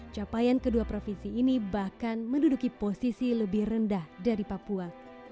capaian kedua provinsi ini bahkan menduduki posisi lebih rendah dari papua